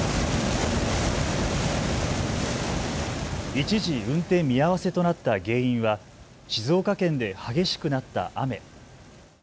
一時、運転見合わせとなった原因は静岡県で激しくなった雨。